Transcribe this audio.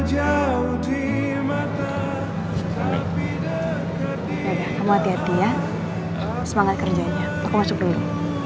jauh jauh di mata tapi dekat ya udah kamu hati hati ya semangat kerjanya aku masuk dulu